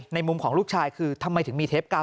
มุมของลูกชายคือทำไมถึงมีเทปกรรม